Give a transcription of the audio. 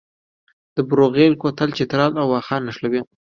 د بروغیل کوتل چترال او واخان نښلوي